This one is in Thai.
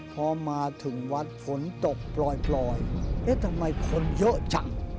พอมาถึงวัดฝนตกปล่อยเอ๊ะทำไมคนเยอะจัง